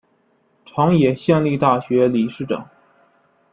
长野县立大学理事长。